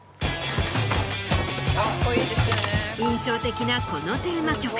印象的なこのテーマ曲。